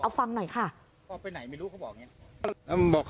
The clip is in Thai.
เอาฟังหน่อยค่ะ